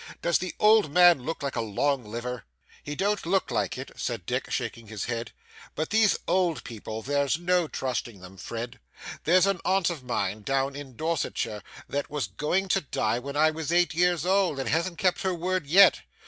Does the old man look like a long liver?' 'He don't look like it,' said Dick shaking his head, 'but these old people there's no trusting them, Fred. There's an aunt of mine down in Dorsetshire that was going to die when I was eight years old, and hasn't kept her word yet.